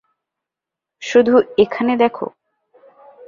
শুধু এখানে দেখ!